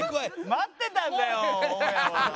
待ってたんだよ大家は。